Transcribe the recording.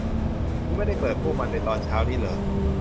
คุณไม่ได้เปิดพวกมันในตอนเช้านี้หรือ